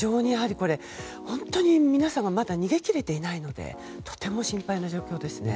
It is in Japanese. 本当に皆さんがまだ逃げきれていないのでとても心配ですね。